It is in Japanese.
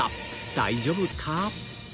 大丈夫か？